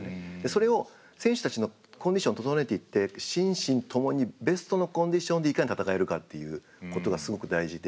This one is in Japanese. それを選手たちのコンディション整えていって心身ともにベストのコンディションでいかに戦えるかっていうことがすごく大事で。